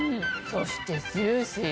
そしてジューシー。